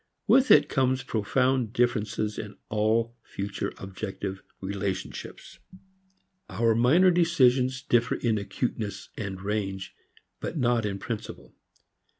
With it comes profound differences in all future objective relationships. Our minor decisions differ in acuteness and range, but not in principle.